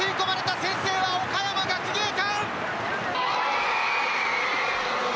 先制は岡山学芸館！